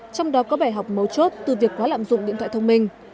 trong đó có bài học mấu chốt từ việc quá lạm dụng điện thoại thông minh